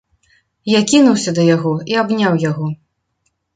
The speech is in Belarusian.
Я кінуўся да яго і абняў яго.